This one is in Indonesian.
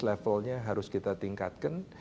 levelnya harus kita tingkatkan